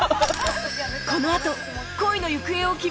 このあと恋の行方を決める